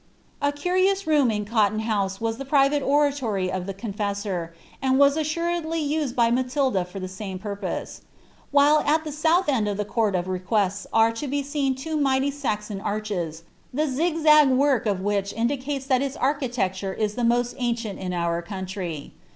A curious room in Cotton House was the private oratory of the Confessor, and was assuredly used by Hatilda for the same purpose ; while at the south end of the Court of Requests are. to be seen two mighty Saxon arches, the lig ng work of which indicates that its architecture is the most ancient in our country.